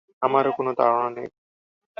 আমারও কোনো ধারণা নেই।